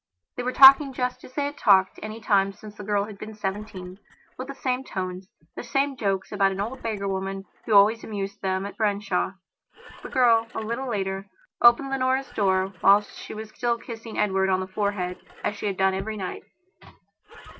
They were talking just as they had talked any time since the girl had been seventeen; with the same tones, the same joke about an old beggar woman who always amused them at Branshaw. The girl, a little later, opened Leonora's door whilst she was still kissing Edward on the forehead as she had done every night.